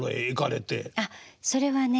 あっそれはね